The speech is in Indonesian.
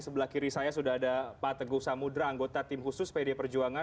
sebelah kiri saya sudah ada pak teguh samudera anggota tim khusus pd perjuangan